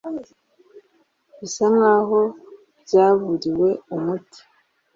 bisa nkaho byaburiwe umuti